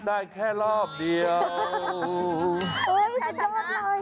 ได้แค่รอบเดียวโควิดที่กำลังฮิตในเมืองไทย